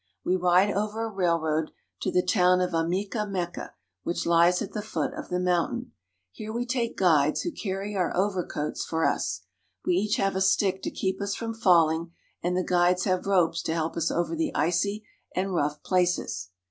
We ride over a railroad to the town of Ameca Meca, which lies at the foot of the mountain. Here we take guides, who carry our overcoats for us. We each have a stick to keep us from falling, and the guides have ropes to help us over the icy and rough places.